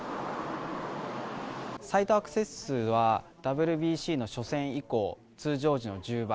サイトアクセス数は、ＷＢＣの初戦以降、通常時の１０倍。